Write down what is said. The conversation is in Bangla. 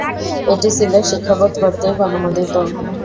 এটি সিলেট শিক্ষা বোর্ড কর্তৃক অনুমোদিত।